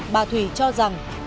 bà thủy cho rằng